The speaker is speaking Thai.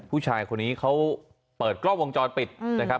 ผู้ชายคนนี้เขาเปิดกล้องวงจรปิดนะครับ